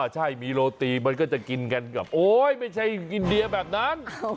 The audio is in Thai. ใช่มีโรตีมันก็จะกินกันกับโอ๊ยไม่ใช่อินเดียแบบนั้น